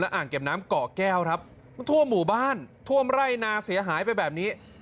อ่างเก็บน้ำเกาะแก้วครับทั่วหมู่บ้านท่วมไร่นาเสียหายไปแบบนี้